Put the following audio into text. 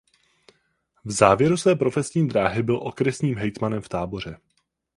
V závěru své profesní dráhy byl okresním hejtmanem v Táboře.